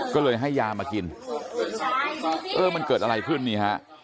ก็เลยให้ยามากินเออมันเกิดอะไรขึ้นนี่ฮะ